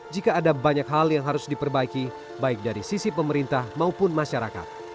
jika ada banyak hal yang harus diperbaiki baik dari sisi pemerintah maupun masyarakat